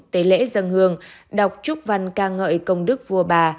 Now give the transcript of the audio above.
tế lễ dân hương đọc chúc văn ca ngợi công đức vua bà